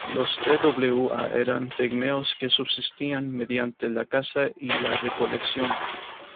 Los twa eran pigmeos que subsistían mediante la caza y la recolección.